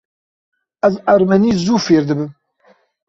Ez ermenî zû fêr dibim.